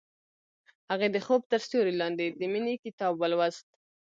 هغې د خوب تر سیوري لاندې د مینې کتاب ولوست.